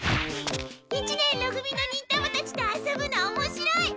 一年ろ組の忍たまたちと遊ぶのおもしろい！